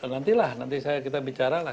nantilah nanti kita bicara lah